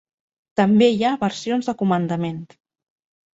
També hi ha versions de comandament.